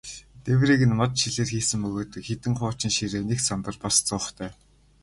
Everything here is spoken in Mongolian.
Дээврийг нь мод, шилээр хийсэн бөгөөд хэдэн хуучин ширээ, нэг самбар, бас зуухтай.